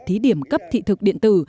thí điểm cấp thị thực điện tử